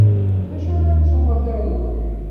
D acu ara ttuɣ ad t-aruɣ?